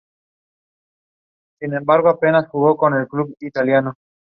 Dentro de los estudios sobre islas, distintas especialidades se enfocan sobre disciplinas particulares.